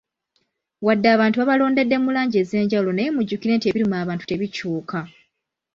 Wadde abantu babalondedde mu langi ez'enjawulo naye mujjukire nti ebiruma abantu tebikyuuka.